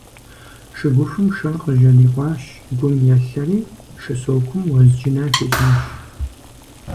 Шыгухум шыр къыжьэдикъуащ, гум елъэри, шы сокум уэзджынэ хищӏащ.